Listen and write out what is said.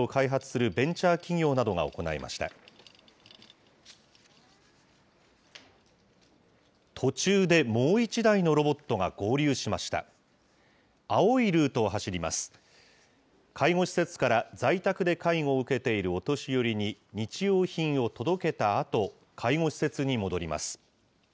介護施設から在宅で介護を受けているお年寄りに日用品を届けたあと、介護施設に戻ります。